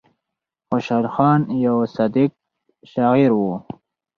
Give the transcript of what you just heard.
خوشال خان يو صادق شاعر وو ـ